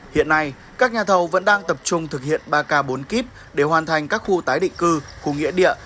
hiện nay các nhà thầu vẫn đang tập trung thực hiện ba k bốn k để hoàn thành các khu tái định cư khu nghĩa địa